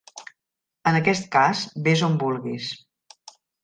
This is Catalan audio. En aquest cas, ves on vulguis.